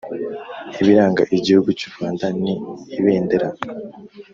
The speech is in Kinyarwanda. Ibiranga Igihugu cy’u Rwanda ni ibendera,